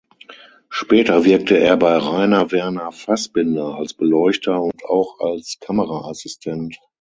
Später wirkte er bei Rainer Werner Fassbinder als Beleuchter und auch als Kameraassistent.